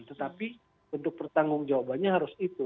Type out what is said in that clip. tetapi bentuk pertanggung jawabannya harus itu